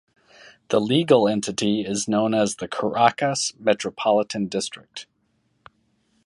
This legal entity is known as the Caracas Metropolitan District.